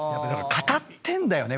語ってんだよね